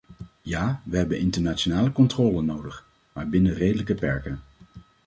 Ja, we hebben internationale controle nodig, maar binnen redelijke perken.